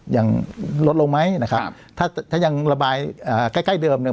ยังลดลงไหมนะครับถ้าถ้ายังระบายอ่าใกล้ใกล้เดิมเนี่ย